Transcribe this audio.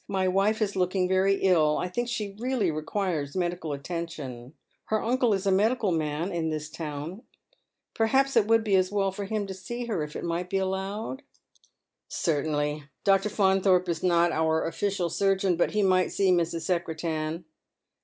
My wife is looking very ill. I think she really requires medical attendance. Her uncle is • medical man in this town ; perhaps it v/ould be as well for him to see her, if it might be allowed." " Certainly. Dr. Faunthorpe is not our oflBcial surgeon, but he might see Mrs. Secretan."